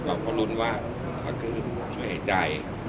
เราก็ลุ้นว่าถ้าขึ้นช่วยหายใจ